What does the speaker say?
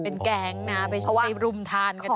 เป็นแก๊งนะไปรุมทานกันอร่อยเลย